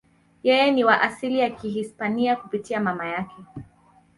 Yeye ni wa asili ya Kihispania kupitia mama yake.